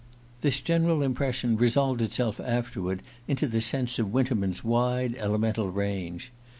This general impression resolved itself afterward into the sense of Winterman's wide elemental range.